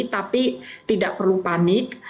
tapi tidak perlu panik